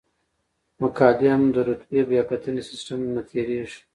مقالې د هم رتبه بیاکتنې سیستم نه تیریږي.